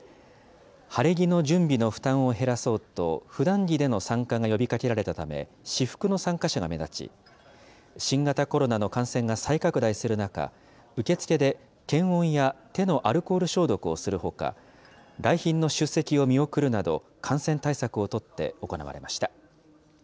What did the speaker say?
晴れ着の準備の負担を減らそうと、ふだん着での参加が呼びかけられたため、私服の参加者が目立ち、新型コロナの感染が再拡大する中、受付で検温や手のアルコール消毒をするほか、来賓の出席を見送るなど、感染対策を取って行われました。